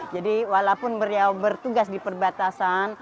jadi walaupun beliau bertugas di perbatasan